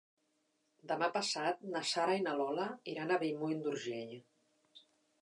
Demà passat na Sara i na Lola iran a Bellmunt d'Urgell.